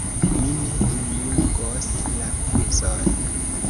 Mi ne indulgos la kuzon!